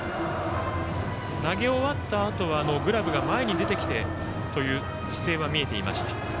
投げ終わったあとはグラブが前に出てきてという姿勢は見えていました。